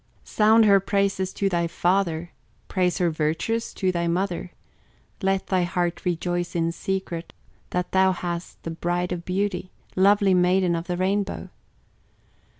Sound her praises to thy father, Praise her virtues to thy mother, Let thy heart rejoice in secret, That thou hast the Bride of Beauty, Lovely Maiden of the Rainbow!